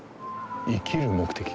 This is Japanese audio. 生きる目的？